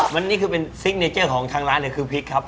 มันนี่คือเป็นซิกเนเจอร์ของทางร้านเลยคือพริกครับ